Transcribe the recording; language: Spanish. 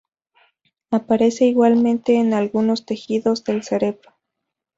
Aparece igualmente en algunos tejidos del cerebro.